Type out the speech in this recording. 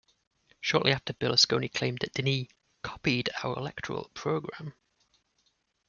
Shortly after Berlusconi claimed that Dini "copied our electoral programme".